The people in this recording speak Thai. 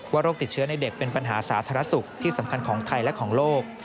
โรคติดเชื้อในเด็กเป็นปัญหาสาธารณสุขที่สำคัญของไทยและของโลก